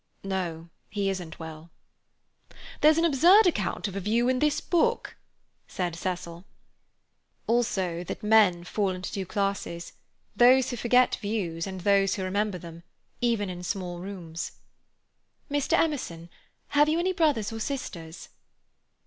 "No, he isn't well." "There's an absurd account of a view in this book," said Cecil. "Also that men fall into two classes—those who forget views and those who remember them, even in small rooms." "Mr. Emerson, have you any brothers or sisters?"